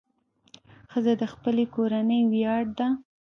ښځه د خپلې کورنۍ ویاړ ده.